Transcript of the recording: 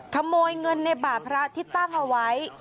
ขโมยเงินในบ่าพระที่ตั้งเอาไว้